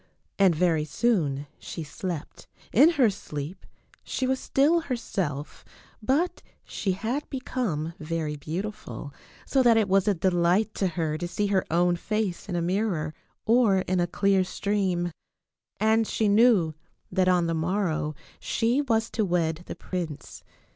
And very soon she slept. In her sleep she was still herself, but she had become very beautiful, so that it was a delight to her to see her own face in a mirror or in a clear stream. And she knew that on the morrow she was to wed the prince.